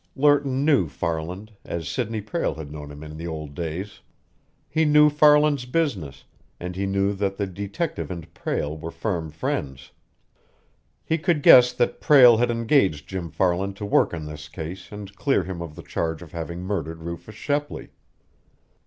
Lerton knew Farland, as Sidney Prale had known him in the old days. He knew Farland's business, and he knew that the detective and Prale were firm friends. He could guess that Prale had engaged Jim Farland to work on this case and clear him of the charge of having murdered Rufus Shepley.